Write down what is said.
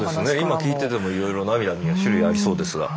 今聞いててもいろいろ涙には種類ありそうですが。